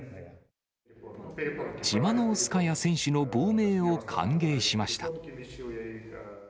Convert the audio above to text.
チマノウスカヤ選手の亡命を歓迎しました。